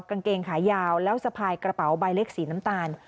กางเกงขายาวแล้วสะพายกระเป๋าใบเล็กสีน้ำตาล